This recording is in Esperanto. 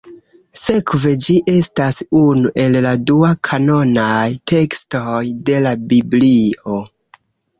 Sekve ĝi estas unu el la dua-kanonaj tekstoj de la Biblio.